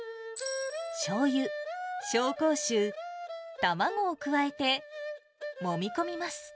しょうゆ、紹興酒、卵を加えてもみ込みます。